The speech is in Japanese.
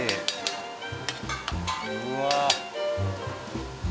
うわ。